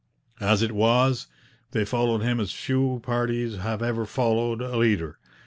As it was, they followed him as few parties have ever followed a leader.